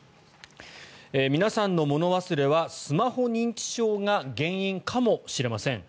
皆さんの物忘れはスマホ認知症が原因かもしれません。